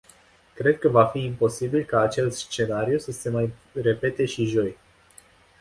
Cred că va fi imposibil ca acel scenariu să se mai repete și joi.